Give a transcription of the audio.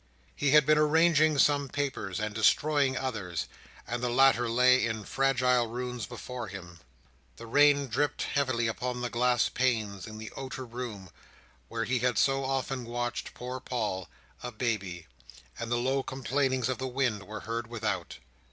He had been arranging some papers, and destroying others, and the latter lay in fragile ruins before him. The rain dripped heavily upon the glass panes in the outer room, where he had so often watched poor Paul, a baby; and the low complainings of the wind were heard without.